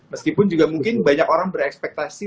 meskipun juga mungkin banyak orang berekspektasi